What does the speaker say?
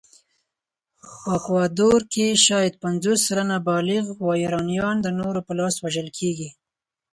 په اکوادور کې شاید پنځوس سلنه بالغ وایورانيان د نورو په لاس وژل کېږي.